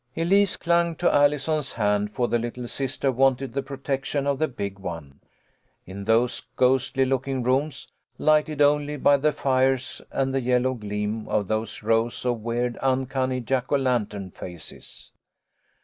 Elise clung to Allison's hand, for the little sister wanted the protection of the big one, in those ghostly looking rooms, lighted only by the fires and the yellow gleam of those rows of weird, uncanny Jack o' lantern faces.